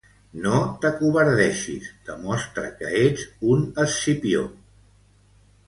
No t'acovardeixis, demostra que ets un Escipió!